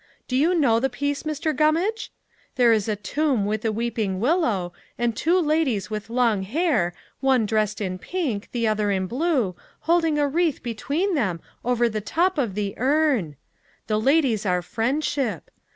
Do you know the piece, Mr. Gummage? There is a tomb with a weeping willow, and two ladies with long hair, one dressed in pink, the other in blue, holding a wreath between them over the top of the urn. The ladies are Friendship.